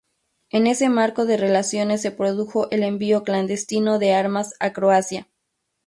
En ese marco de relaciones se produjo el envío clandestino de armas a Croacia.